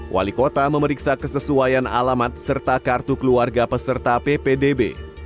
wali kota memeriksa kesesuaian alamat serta kartu keluarga peserta ppdb